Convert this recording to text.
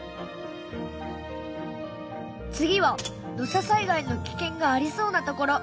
次は土砂災害の危険がありそうな所。